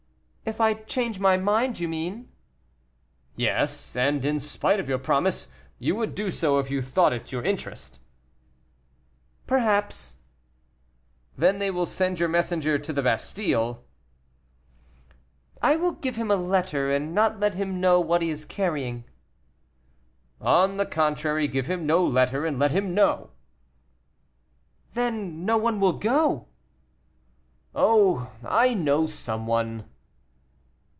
"If I change my mind, you mean." "Yes, and in spite of your promise, you would do so if you thought it your interest." "Perhaps." "Then they will send your messenger to the Bastile." "I will give him a letter, and not let him know what he is carrying." "On the contrary, give him no letter, and let him know." "Then no one will go." "Oh! I know some one."